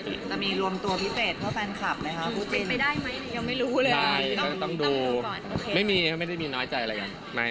ไม่มีเพราะว่าไม่ได้มีน้อยใจอะไรหรอก